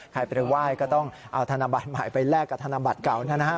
ใครไปไหว้ก็ต้องเอาธนบัตรใหม่ไปแลกกับธนบัตรเก่านะฮะ